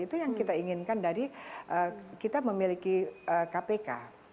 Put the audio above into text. itu yang kita inginkan dari kita memiliki kpk